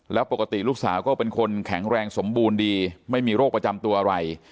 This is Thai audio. แล้วปกติลูกสาวก็เป็นคนแข็งแรงสมบูรณ์ดีไม่มีโรคประจำตัวอะไร